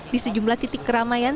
di sejumlah titik keramaian